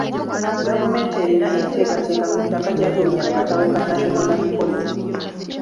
Gavumenti erina enteekateeka ku ttaka gye yafulumya mu katabo ka National Land Policy.